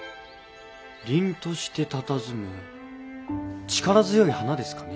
凛としてたたずむ力強い花ですかね？